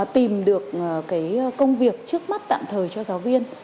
tìm được cái công việc trước mắt tạm thời cho giáo viên